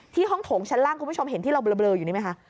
ห้องโถงชั้นล่างคุณผู้ชมเห็นที่เราเบลออยู่นี่ไหมคะ